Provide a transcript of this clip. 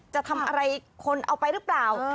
จะทำอะไรคนเอาไปหรือเปล่า